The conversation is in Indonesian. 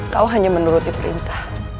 kau hanya menuruti perintah